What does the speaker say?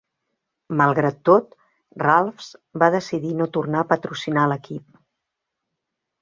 Malgrat tot, Ralphs va decidir no tornar a patrocinar l'equip.